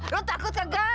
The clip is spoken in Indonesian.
lu takut gak gak